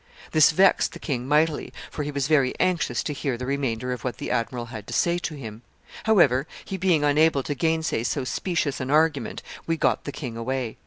This vexed the king mightily, for he was very anxious to hear the remainder of what the admiral had to say to him. However, he being unable to gainsay so specious an argument, we got the king away.